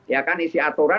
ya kan isi aturan